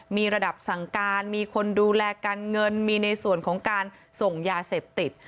มีระดับสั่งการมีคนดูแลการเงินมีในส่วนของการส่งยาเสพติด